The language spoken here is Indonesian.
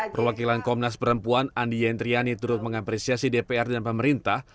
perwakilan komnas perempuan andi yentriani turut mengapresiasi dpr dan pemerintah